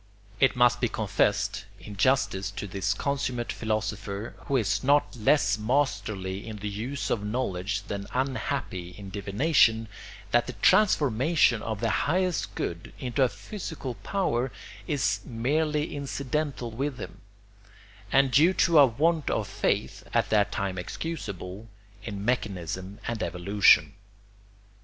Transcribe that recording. It must be confessed, in justice to this consummate philosopher, who is not less masterly in the use of knowledge than unhappy in divination, that the transformation of the highest good into a physical power is merely incidental with him, and due to a want of faith (at that time excusable) in mechanism and evolution.